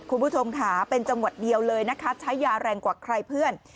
คุณผู้ชมค่ะเป็นจังหวัดเดียวเลยนะคะใช้ยาแรงกว่าใครเพื่อน